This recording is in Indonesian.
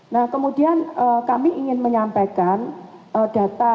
nah kemudian kami ingin menyampaikan data